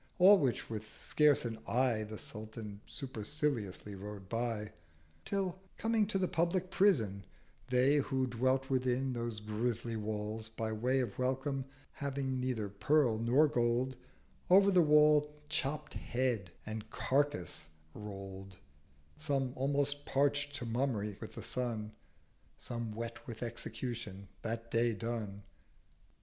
All which with scarce an Eye The Sultan superciliously rode by: Till coming to the public Prison, They Who dwelt within those grisly Walls, by way Of Welcome, having neither Pearl nor Gold, Over the wall chopt Head and Carcase roll'd, Some almost parcht to Mummy with the Sun, Some wet with Execution that day done.